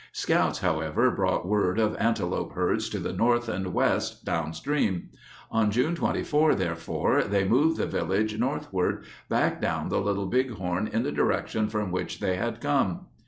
Scouts, however, brought word of ante lope herds to the north and west, downstream. On June 24, therefore, they moved the village north ward, back down the Little Bighorn in the direction from which they had come.